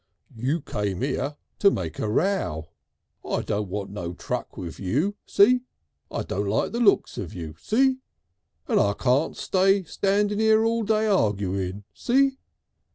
"You came 'ere to make a row. I don't want no truck with you. See? I don't like the looks of you. See? And I can't stand 'ere all day arguing. See?"